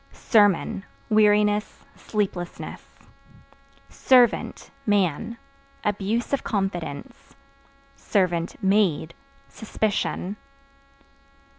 Sermon Weariness, sleeplessness. Servant (Man) abuse of confidence; (maid) suspicion.